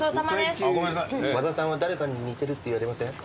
和田さんは誰かに似てるって言われません？